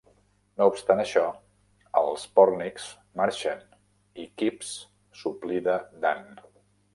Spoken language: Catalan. No obstant això, els Pornicks marxen i Kipps s'oblida d'Ann.